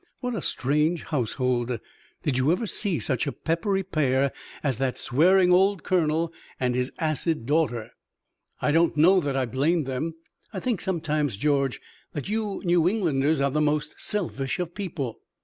What a strange household! Did you ever see such a peppery pair as that swearing old colonel and his acid daughter?" "I don't know that I blame them. I think, sometimes, George, that you New Englanders are the most selfish of people.